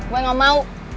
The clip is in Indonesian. gue gak mau